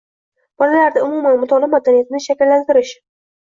Bolalarda umuman mutolaa madaniyatini shakllantirish